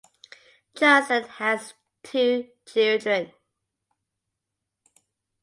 Johnson has two children.